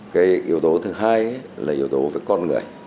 cái yếu tố thứ hai là yếu tố về con người